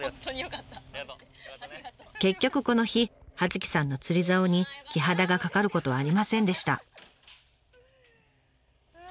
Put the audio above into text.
結局この日葉月さんの釣りざおにキハダがかかることはありませんでした。